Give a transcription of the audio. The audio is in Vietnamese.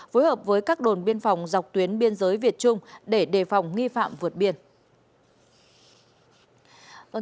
phối hợp với các đồn biên phòng dọc tuyến biên giới việt trung để đề phòng nghi phạm vượt biển